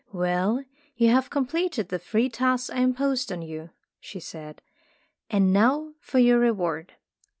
"Well, you have completed the three tasks I imposed on you," she said, "and now for your reward.